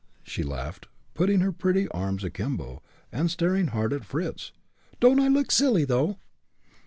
she laughed, putting her pretty arms akimbo, and staring hard at Fritz. "Don't I look silly, though?"